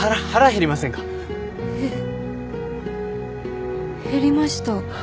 へ減りました。